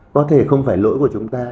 có thể không phải lỗi của chúng ta